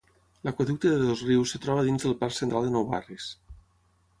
L'Aqüeducte de Dosrius es troba dins del Parc Central de Nou Barris.